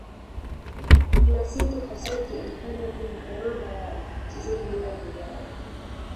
giacinto facchetti alitajwa kwenye orodha ya wachezaji bora duniani